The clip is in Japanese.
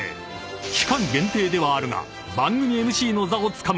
［期間限定ではあるが］